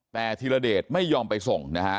แต่ธีรเดชไม่ยอมไปส่งนะฮะ